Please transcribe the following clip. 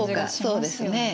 そうですね。